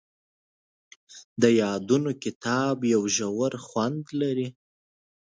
د یادونو کتاب یو ژور خوند لري.